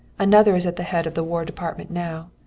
Another is at the head of the War Department now.